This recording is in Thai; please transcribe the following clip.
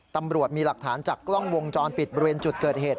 ตำรวจมีหลักฐานจากกล้องวงจรปิดบริเวณจุดเกิดเหตุ